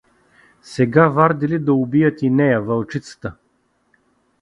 Сега вардели да убият и нея, вълчицата.